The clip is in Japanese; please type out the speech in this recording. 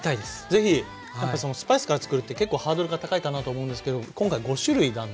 ぜひ！やっぱスパイスからつくるって結構ハードルが高いかなと思うんですけど今回５種類なんで。